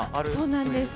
そうなんです。